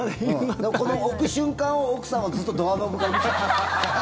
この置く瞬間を奥さんはずっとドアノブから見てた。